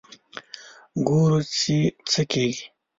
ګورو چې څه کېږي.